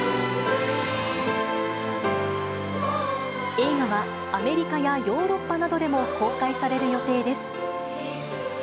映画はアメリカやヨーロッパなどでも公開される予定です。